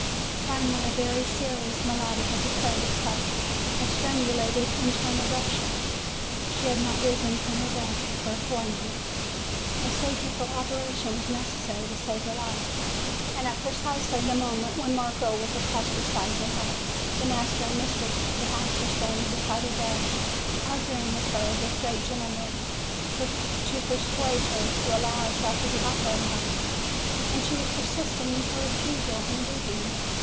Finally, a very serious malady had declared itself, a strangulated internal rupture. She had not risen from her bed for a fortnight. A surgical operation was necessary to save her life. And at precisely the moment when Marco was apostrophizing her, the master and mistress of the house were standing be side her bed, arguing with her, with great gentleness, to persuade her to allow herself to be operated on, and she was persisting in her refusal, and weeping.